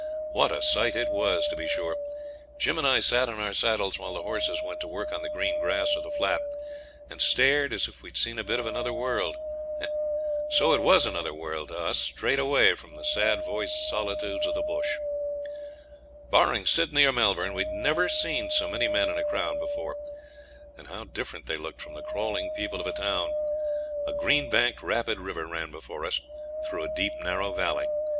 What a sight it was, to be sure! Jim and I sat in our saddles while the horses went to work on the green grass of the flat, and stared as if we'd seen a bit of another world. So it was another world to us, straight away from the sad voiced solitudes of the bush. Barring Sydney or Melbourne, we'd never seen so many men in a crowd before; and how different they looked from the crawling people of a town! A green banked rapid river ran before us, through a deep narrow valley.